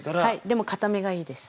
でも硬めがいいです。